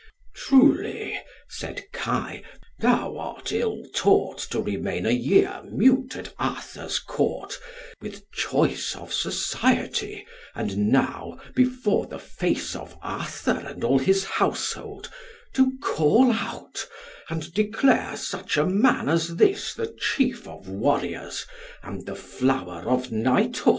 "Truly," said Kai, "thou art ill taught to remain a year mute at Arthur's Court, with choice of society; and now, before the face of Arthur and all his household, to call out, and declare such a man as this the chief of warriors, and the flower of knighthood."